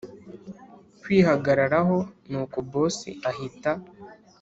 kwihagararaho nuko boss ahita